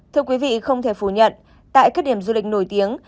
thưa quý vị không thể phủ nhận tại các điểm du lịch nổi tiếng